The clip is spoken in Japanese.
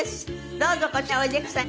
どうぞこちらへおいでください。